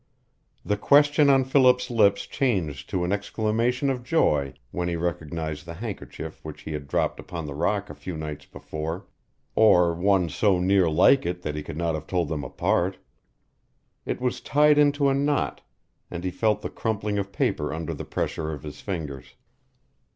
The question on Philip's lips changed to an exclamation of joy when he recognized the handkerchief which he had dropped upon the rock a few nights before, or one so near like it that he could not have told them apart. It was tied into a knot, and he felt the crumpling of paper under the pressure of his fingers.